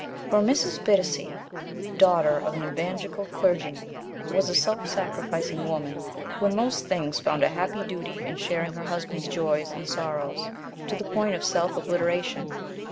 For Mrs. Bittacy, daughter of an evangelical clergy man, was a self sacrificing woman, who in most things found a happy duty in sharing her husband's joys and sorrows to the point of self obliteration.